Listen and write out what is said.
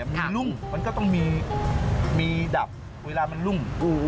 มีรุ่งมันก็ต้องมีดับเวลามันรุ่ม